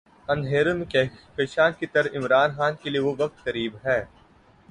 اندھیروں میں کہکشاں کی طرح عمران خان کے لیے وہ وقت قریب ہے۔